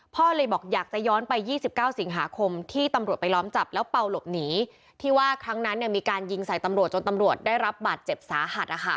พ่อเลยบอกอยากจะย้อนไป๒๙สิงหาคมที่ตำรวจไปล้อมจับแล้วเป่าหลบหนีที่ว่าครั้งนั้นเนี่ยมีการยิงใส่ตำรวจจนตำรวจได้รับบาดเจ็บสาหัสนะคะ